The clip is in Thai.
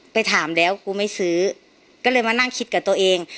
ไปถามแล้วกูไม่ซื้อก็เลยมานั่งคิดกับตัวเอง